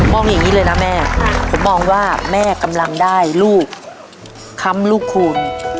อย่างนี้เลยนะแม่ผมมองว่าแม่กำลังได้ลูกค้ำลูกคูณ